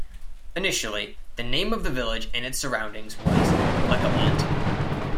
Initially the name of the village and its surroundings was "Leckelant".